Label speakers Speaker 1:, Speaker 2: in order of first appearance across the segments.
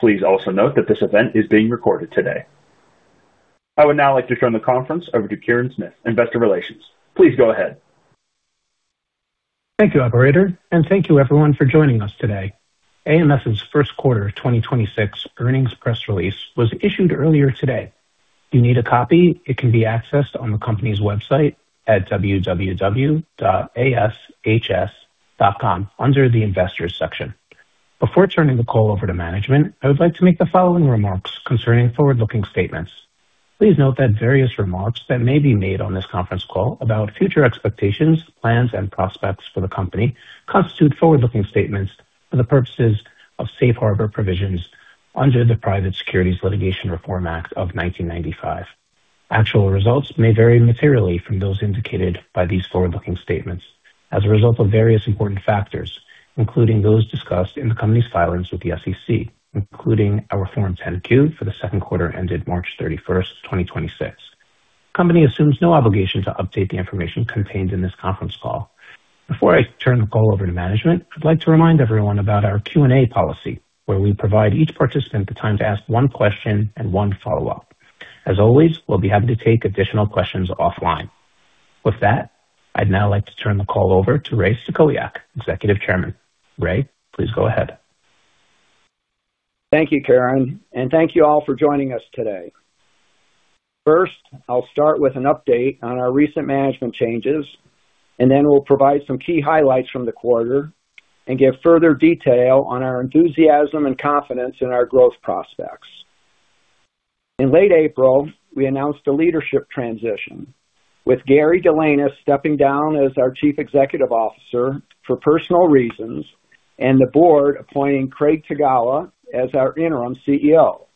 Speaker 1: Please also note that this event is being recorded today. I would now like to turn the conference over to Kirin Smith, Investor Relations. Please go ahead.
Speaker 2: Thank you, operator, and thank you everyone for joining us today. AMS's first quarter 2026 earnings press release was issued earlier today. If you need a copy, it can be accessed on the company's website at www.ashs.com under the Investors section. Before turning the call over to management, I would like to make the following remarks concerning forward-looking statements. Please note that various remarks that may be made on this conference call about future expectations, plans, and prospects for the company constitute forward-looking statements for the purposes of safe harbor provisions under the Private Securities Litigation Reform Act of 1995. Actual results may vary materially from those indicated by these forward-looking statements as a result of various important factors, including those discussed in the company's filings with the SEC, including our Form 10-Q for the second quarter ended March 31st, 2026. The company assumes no obligation to update the information contained in this conference call. Before I turn the call over to management, I'd like to remind everyone about our Q&A policy, where we provide each participant the time to ask one question and one follow-up. As always, we'll be happy to take additional questions offline. With that, I'd now like to turn the call over to Ray Stachowiak, Executive Chairman. Ray, please go ahead.
Speaker 3: Thank you, Kirin, and thank you all for joining us today. First, I'll start with an update on our recent management changes, and then we'll provide some key highlights from the quarter and give further detail on our enthusiasm and confidence in our growth prospects. In late April, we announced a leadership transition with Gary Delanois stepping down as our Chief Executive Officer for personal reasons and the board appointing Craig Tagawa as our interim CEO.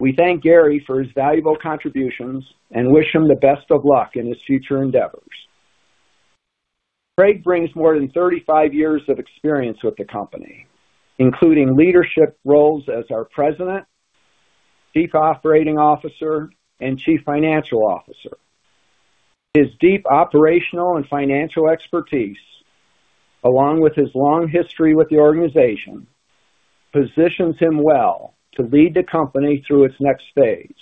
Speaker 3: We thank Gary for his valuable contributions and wish him the best of luck in his future endeavors. Craig brings more than 35 years of experience with the company, including leadership roles as our President, Chief Operating Officer, and Chief Financial Officer. His deep operational and financial expertise, along with his long history with the organization, positions him well to lead the company through its next phase.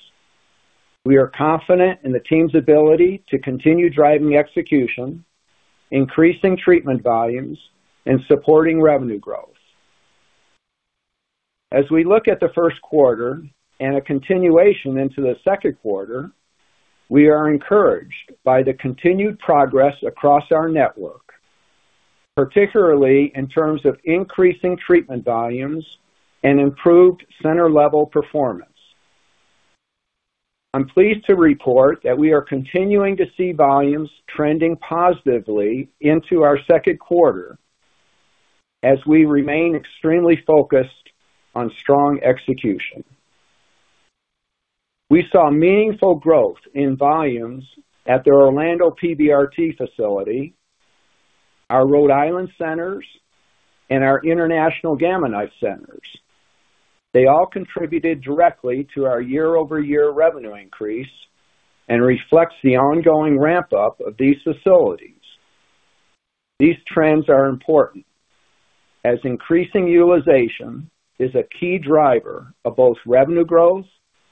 Speaker 3: We are confident in the team's ability to continue driving execution, increasing treatment volumes, and supporting revenue growth. As we look at the first quarter and a continuation into the second quarter, we are encouraged by the continued progress across our network, particularly in terms of increasing treatment volumes and improved center-level performance. I'm pleased to report that we are continuing to see volumes trending positively into our second quarter as we remain extremely focused on strong execution. We saw meaningful growth in volumes at the Orlando PBRT facility, our Rhode Island centers, and our International Gamma Knife centers. They all contributed directly to our year-over-year revenue increase and reflects the ongoing ramp-up of these facilities. These trends are important as increasing utilization is a key driver of both revenue growth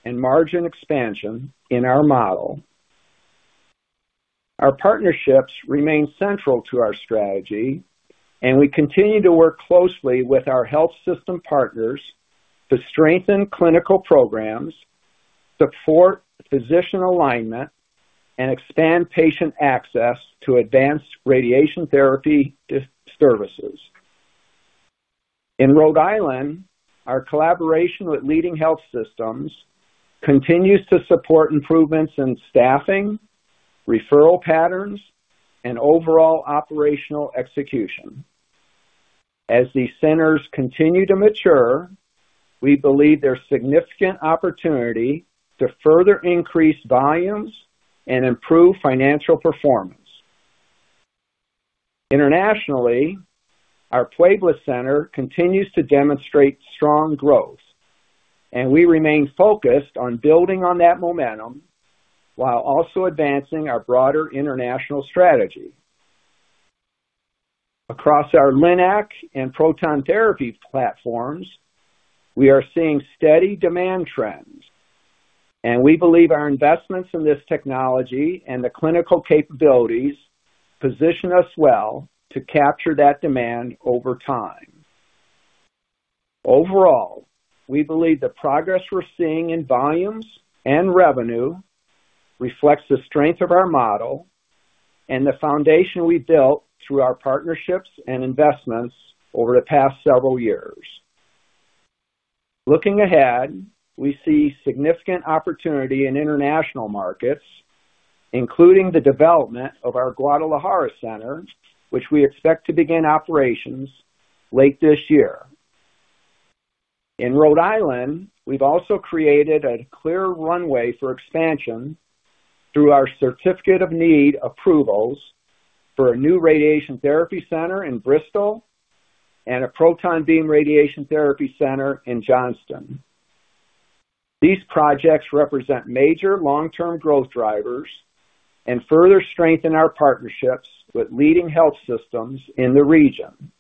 Speaker 3: and margin expansion in our model. Our partnerships remain central to our strategy, and we continue to work closely with our health system partners to strengthen clinical programs, support physician alignment, and expand patient access to advanced radiation therapy services. In Rhode Island, our collaboration with leading health systems continues to support improvements in staffing, referral patterns, and overall operational execution. As these centers continue to mature, we believe there's significant opportunity to further increase volumes and improve financial performance. Internationally, our Puebla center continues to demonstrate strong growth, and we remain focused on building on that momentum while also advancing our broader international strategy. Across our LINAC and proton therapy platforms, we are seeing steady demand trends, and we believe our investments in this technology and the clinical capabilities position us well to capture that demand over time. Overall, we believe the progress we're seeing in volumes and revenue reflects the strength of our model and the foundation we built through our partnerships and investments over the past several years. Looking ahead, we see significant opportunity in international markets, including the development of our Guadalajara center, which we expect to begin operations late this year. In Rhode Island, we've also created a clear runway for expansion through our Certificate of Need approvals for a new radiation therapy center in Bristol and a Proton Beam Radiation Therapy Center in Johnston. These projects represent major long-term growth drivers and further strengthen our partnerships with leading health systems in the region.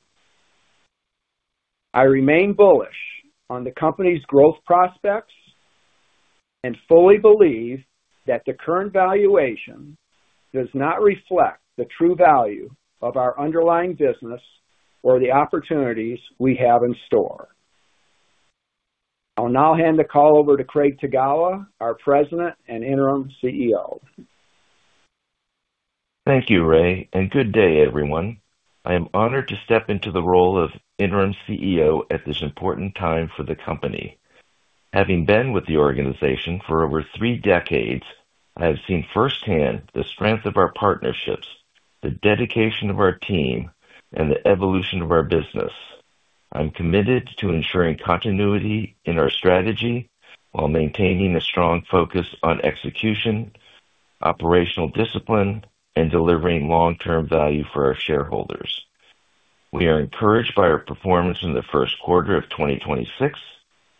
Speaker 3: I remain bullish on the company's growth prospects and fully believe that the current valuation does not reflect the true value of our underlying business or the opportunities we have in store. I'll now hand the call over to Craig Tagawa, our President and Interim Chief Executive Officer..
Speaker 4: Thank you, Ray. Good day, everyone. I am honored to step into the role of Interim Chief Executive Officer at this important time for the company. Having been with the organization for over three decades, I have seen firsthand the strength of our partnerships, the dedication of our team, and the evolution of our business. I'm committed to ensuring continuity in our strategy while maintaining a strong focus on execution, operational discipline, and delivering long-term value for our shareholders. We are encouraged by our performance in the first quarter of 2026,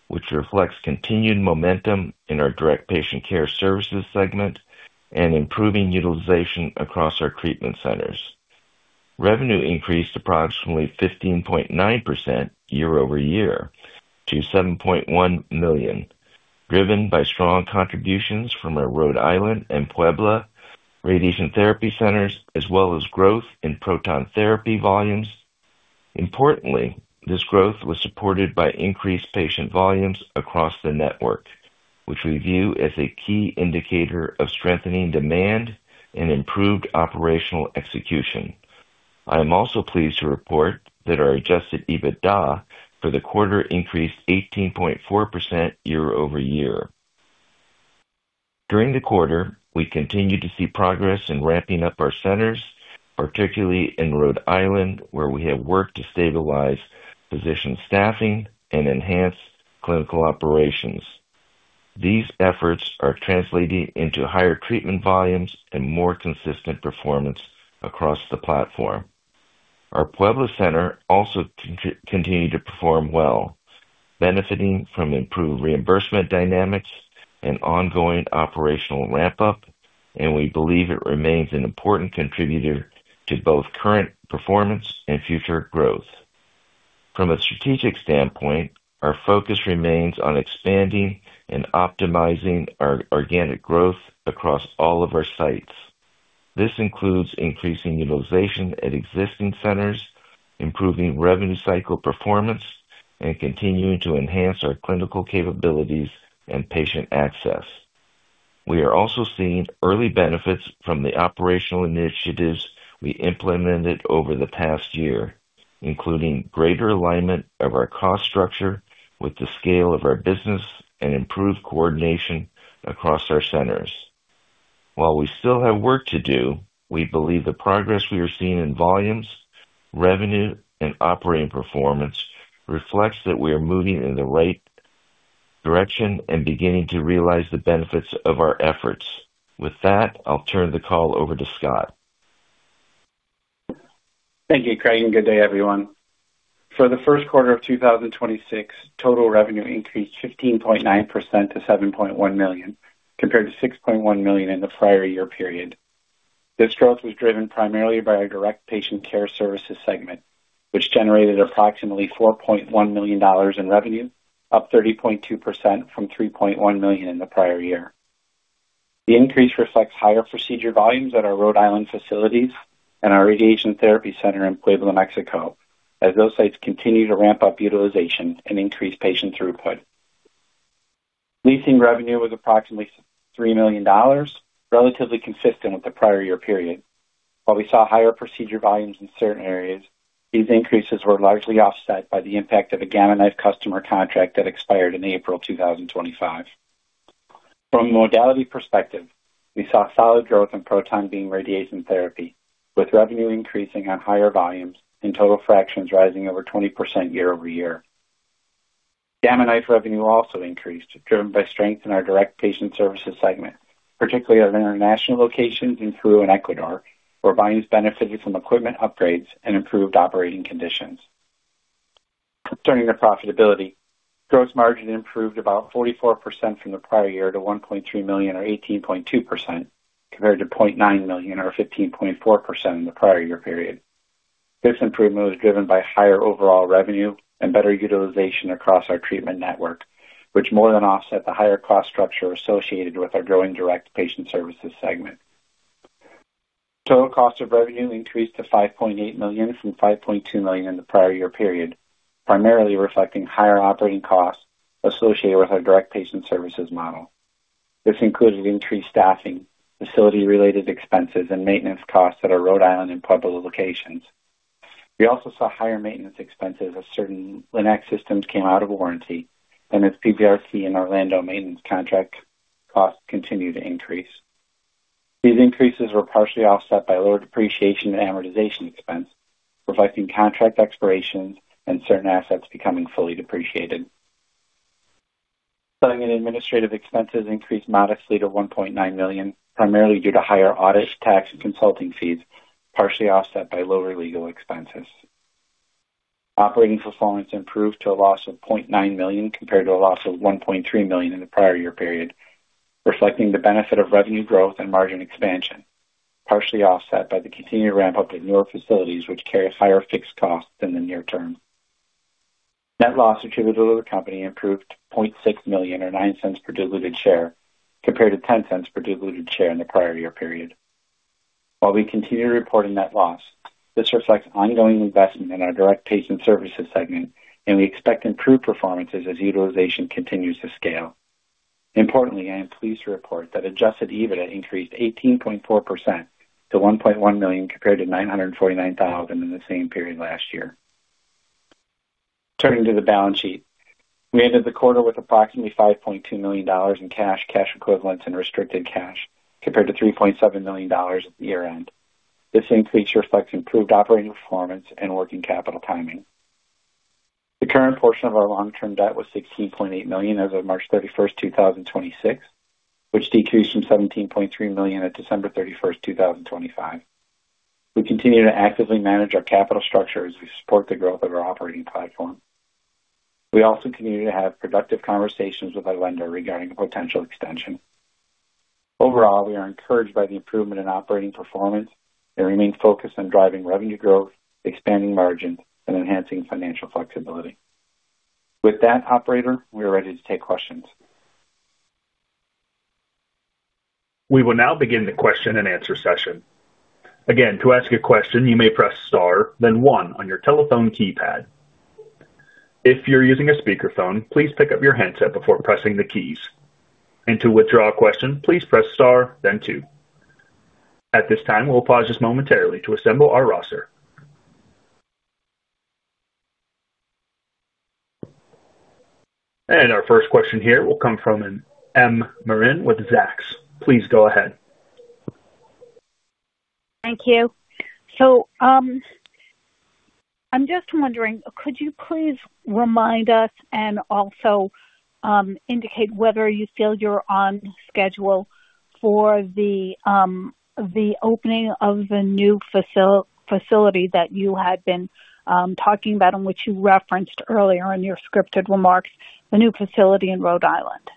Speaker 4: which reflects continued momentum in our Direct Patient Care Services segment and improving utilization across our treatment centers. Revenue increased approximately 15.9% year-over-year to $7.1 million, driven by strong contributions from our Rhode Island and Puebla radiation therapy centers, as well as growth in Proton Therapy volumes. Importantly, this growth was supported by increased patient volumes across the network, which we view as a key indicator of strengthening demand and improved operational execution. I am also pleased to report that our adjusted EBITDA for the quarter increased 18.4% year-over-year. During the quarter, we continued to see progress in ramping up our centers, particularly in Rhode Island, where we have worked to stabilize physician staffing and enhance clinical operations. These efforts are translating into higher treatment volumes and more consistent performance across the platform. Our Puebla center also continued to perform well, benefiting from improved reimbursement dynamics and ongoing operational ramp-up, and we believe it remains an important contributor to both current performance and future growth. From a strategic standpoint, our focus remains on expanding and optimizing our organic growth across all of our sites. This includes increasing utilization at existing centers, improving revenue cycle performance, and continuing to enhance our clinical capabilities and patient access. We are also seeing early benefits from the operational initiatives we implemented over the past year, including greater alignment of our cost structure with the scale of our business and improved coordination across our centers. While we still have work to do, we believe the progress we are seeing in volumes, revenue, and operating performance reflects that we are moving in the right direction and beginning to realize the benefits of our efforts. With that, I'll turn the call over to Scott.
Speaker 5: Thank you, Craig, and good day, everyone. For the first quarter of 2026, total revenue increased 15.9% to $7.1 million, compared to $6.1 million in the prior year period. This growth was driven primarily by our direct patient care services segment, which generated approximately $4.1 million in revenue, up 30.2% from $3.1 million in the prior year. The increase reflects higher procedure volumes at our Rhode Island facilities and our radiation therapy center in Puebla, Mexico, as those sites continue to ramp up utilization and increase patient throughput. Leasing revenue was approximately $3 million, relatively consistent with the prior year period. While we saw higher procedure volumes in certain areas, these increases were largely offset by the impact of a Gamma Knife customer contract that expired in April 2025. From a modality perspective, we saw solid growth in proton beam radiation therapy, with revenue increasing on higher volumes and total fractions rising over 20% year-over-year. Gamma Knife revenue also increased, driven by strength in our Direct Patient Services segment, particularly at international locations in Peru and Ecuador, where volumes benefited from equipment upgrades and improved operating conditions. Concerning the profitability, gross margin improved about 44% from the prior year to $1.3 million or 18.2%, compared to $0.9 million or 15.4% in the prior year period. This improvement was driven by higher overall revenue and better utilization across our treatment network, which more than offset the higher cost structure associated with our growing Direct Patient Services segment. Total cost of revenue increased to $5.8 million from $5.2 million in the prior year period, primarily reflecting higher operating costs associated with our direct patient services model. This included increased staffing, facility-related expenses, and maintenance costs at our Rhode Island and Puebla locations. We also saw higher maintenance expenses as certain LINAC systems came out of warranty, and its PBRT in Orlando maintenance contract costs continued to increase. These increases were partially offset by lower depreciation and amortization expense, reflecting contract expirations and certain assets becoming fully depreciated. Selling and administrative expenses increased modestly to $1.9 million, primarily due to higher audit, tax, and consulting fees, partially offset by lower legal expenses. Operating performance improved to a loss of $0.9 million compared to a loss of $1.3 million in the prior year period, reflecting the benefit of revenue growth and margin expansion, partially offset by the continued ramp-up in newer facilities which carry higher fixed costs in the near term. Net loss attributable to the company improved to $0.6 million, or $0.09 per diluted share, compared to $0.10 per diluted share in the prior year period. While we continue to report a net loss, this reflects ongoing investment in our Direct Patient Services segment, and we expect improved performances as utilization continues to scale. Importantly, I am pleased to report that adjusted EBITDA increased 18.4% to $1.1 million compared to $949,000 in the same period last year. Turning to the balance sheet, we ended the quarter with approximately $5.2 million in cash equivalents, and restricted cash compared to $3.7 million at the year-end. This increase reflects improved operating performance and working capital timing. The current portion of our long-term debt was $16.8 million as of March 31, 2026, which decreased from $17.3 million at December 31, 2025. We continue to actively manage our capital structure as we support the growth of our operating platform. We also continue to have productive conversations with our lender regarding a potential extension. Overall, we are encouraged by the improvement in operating performance and remain focused on driving revenue growth, expanding margins, and enhancing financial flexibility. With that, operator, we are ready to take questions.
Speaker 1: We will now begin the question-and-answer session. Again, to ask a question, you may press star then one on your telephone keypad. If you're using a speakerphone, please pick up your handset before pressing the keys. To withdraw a question, please press star then two. At this time, we'll pause just momentarily to assemble our roster. Our first question here will come from M. Marin with Zacks, please go ahead.
Speaker 6: Thank you. I'm just wondering, could you please remind us and also indicate whether you feel you're on schedule for the opening of the new facility that you had been talking about and which you referenced earlier in your scripted remarks, the new facility in Rhode Island?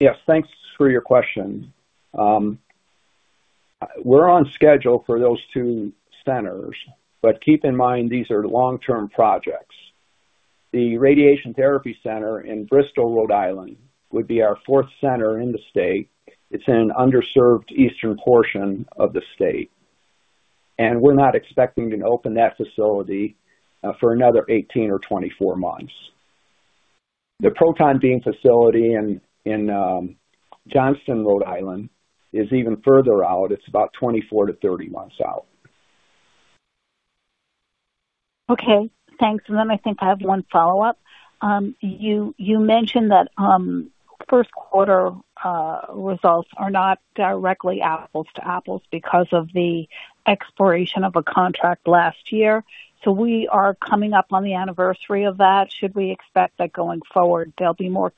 Speaker 3: Yes, thanks for your question. We're on schedule for those two centers. Keep in mind these are long-term projects. The radiation therapy center in Bristol, Rhode Island, would be our fourth center in the state. It's in an underserved eastern portion of the state. We're not expecting to open that facility for another 18 or 24 months. The proton beam facility in Johnston, Rhode Island, is even further out. It's about 24 to 30 months out.
Speaker 6: Okay, thanks. I think I have one follow-up. You mentioned that first quarter results are not directly apples to apples because of the expiration of a contract last year. We are coming up on the anniversary of that. Should we expect that going forward there'll be more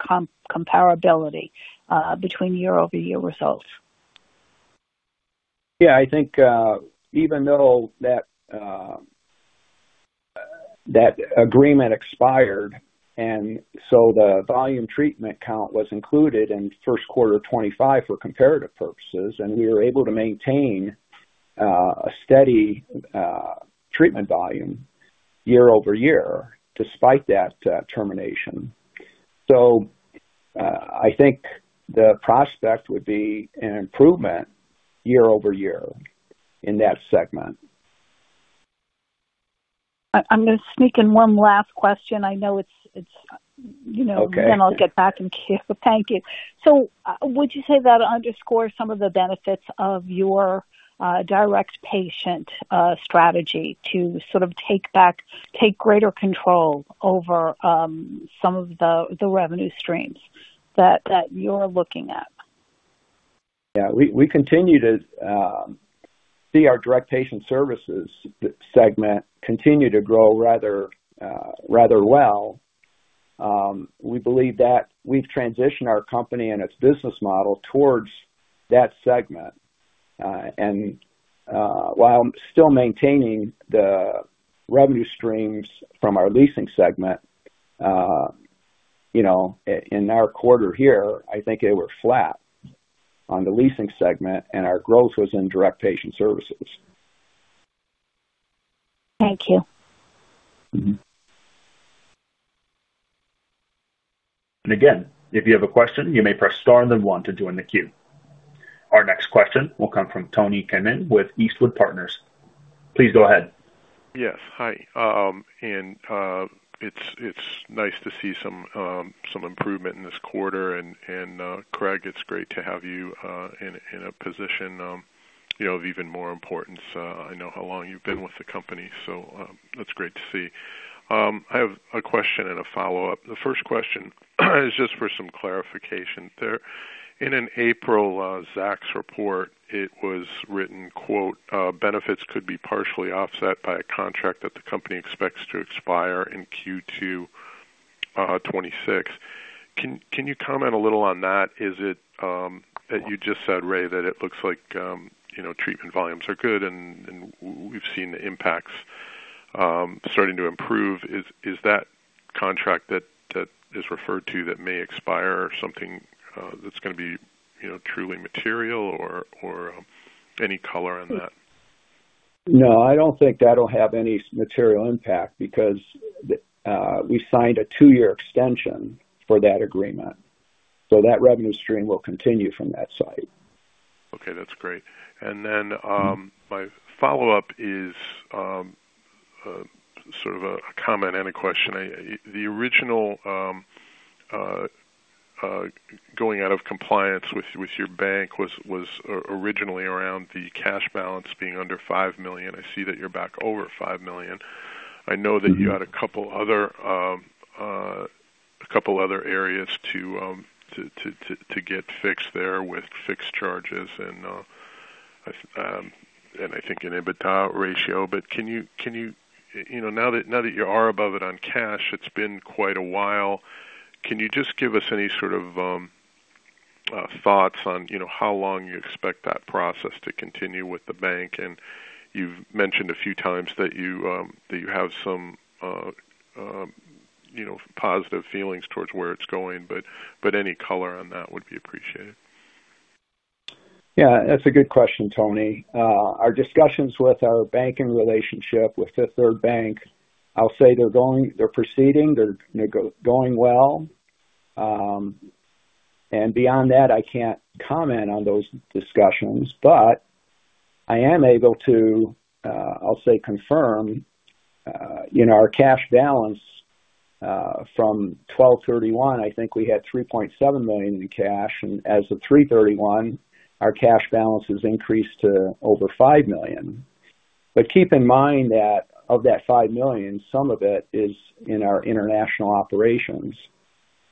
Speaker 6: comparability between year-over-year results?
Speaker 3: I think, even though that agreement expired, and so the volume treatment count was included in first quarter 2025 for comparative purposes, and we were able to maintain a steady treatment volume year-over-year despite that termination. I think the prospect would be an improvement year-over-year in that segment.
Speaker 6: I'm gonna sneak in one last question. I know it's, you know.
Speaker 3: Okay.
Speaker 6: Then I'll get back in queue. Thank you. Would you say that underscores some of the benefits of your direct patient strategy to sort of take greater control over some of the revenue streams that you're looking at?
Speaker 3: Yeah. We continue to see our Direct Patient Services segment continue to grow rather well. We believe that we've transitioned our company and its business model towards that segment. While still maintaining the revenue streams from our leasing segment, you know, in our quarter here, I think it was flat on the leasing segment, and our growth was in Direct Patient Services.
Speaker 6: Thank you.
Speaker 1: Again, if you have a question, you may press star and then one to join the queue. Our next question will come from Tony Keenan with Eastwood Partners, please go ahead.
Speaker 7: Yes. Hi. It's nice to see some improvement in this quarter. Craig, it's great to have you in a position, you know, of even more importance. I know how long you've been with the company, so, that's great to see. I have a question and a follow-up. The first question is just for some clarification. In an April, Zacks report, it was written, quote, Benefits could be partially offset by a contract that the company expects to expire in Q2 2026. Can you comment a little on that? Is it, you just said, Ray, that it looks like, you know, treatment volumes are good and we've seen the impacts, starting to improve. Is that contract that is referred to that may expire something that's gonna be, you know, truly material or any color on that?
Speaker 3: No, I don't think that'll have any material impact because the, we signed a 2-year extension for that agreement, so that revenue stream will continue from that site.
Speaker 7: Okay, that's great. Then, my follow-up is sort of a comment and a question. The original going out of compliance with your bank was originally around the cash balance being under $5 million. I see that you're back over $5 million. I know that you had a couple other a couple other areas to get fixed there with fixed charges and I think an EBITDA ratio. Can you know, now that you are above it on cash, it's been quite a while. Can you just give us any sort of thoughts on, you know, how long you expect that process to continue with the bank? You've mentioned a few times that you have some, you know, positive feelings towards where it's going, but any color on that would be appreciated.
Speaker 5: Yeah, that's a good question, Tony. Our discussions with our banking relationship with Fifth Third Bank, I'll say they're proceeding, they're, you know, going well. Beyond that, I can't comment on those discussions, but I am able to, I'll say, confirm, you know, our cash balance from 12/31, I think we had $3.7 million in cash, and as of 3/31, our cash balance has increased to over $5 million. Keep in mind that of that $5 million, some of it is in our international operations,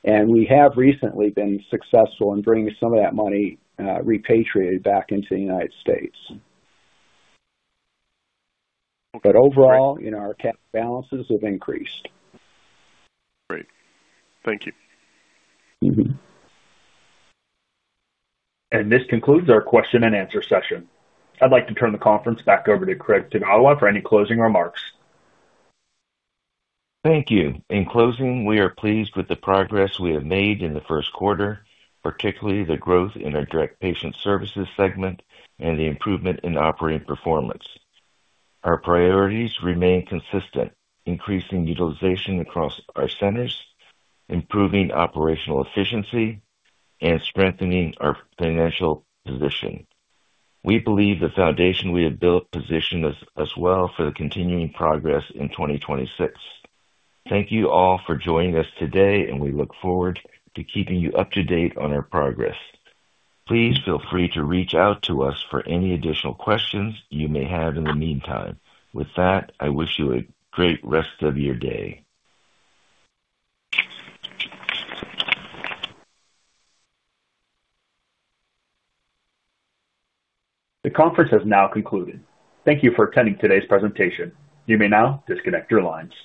Speaker 5: and we have recently been successful in bringing some of that money repatriated back into the United States.
Speaker 7: Okay.
Speaker 5: Overall, you know, our cash balances have increased.
Speaker 7: Great. Thank you.
Speaker 1: This concludes our question and answer session. I'd like to turn the conference back over to Craig Tagawa for any closing remarks.
Speaker 4: Thank you. In closing, we are pleased with the progress we have made in the first quarter, particularly the growth in our direct patient services segment and the improvement in operating performance. Our priorities remain consistent: increasing utilization across our centers, improving operational efficiency, and strengthening our financial position. We believe the foundation we have built positions us well for the continuing progress in 2026. Thank you all for joining us today, and we look forward to keeping you up to date on our progress. Please feel free to reach out to us for any additional questions you may have in the meantime. With that, I wish you a great rest of your day.
Speaker 1: The conference has now concluded. Thank you for attending today's presentation, you may now disconnect your lines.